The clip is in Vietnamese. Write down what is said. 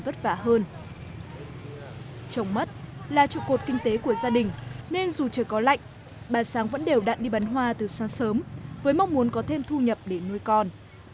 trong mắt là trụ cột kinh tế của gia đình nên dù trời có lạnh bạt sáng vẫn đều đặn đi bắn hoa từ sáng sớm với mong muốn có thêm thu nhập để nuôi con